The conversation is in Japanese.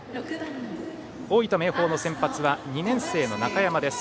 大分・明豊の先発は２年生の中山です。